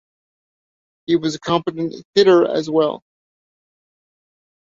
He was a competent hitter as well.